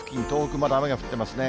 まだ雨が降ってますね。